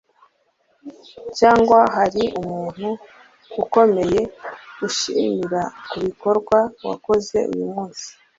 cyangwa hari umuntu ukomeye ushimira kubikorwa wakoze uyu munsi